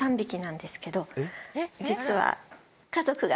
実は。